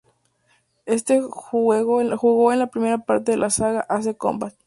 Este juego es la primera parte de la saga "Ace Combat".